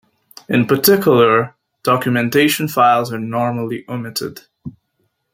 In particular, documentation files are normally omitted.